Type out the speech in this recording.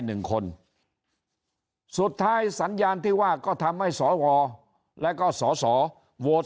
หนึ่งคนสุดท้ายสัญญาณที่ว่าก็ทำให้สวแล้วก็สอสอโหวต